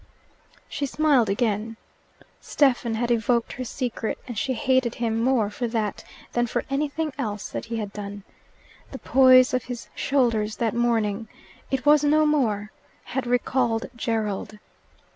She smiled again. Stephen had evoked her secret, and she hated him more for that than for anything else that he had done. The poise of his shoulders that morning it was no more had recalled Gerald.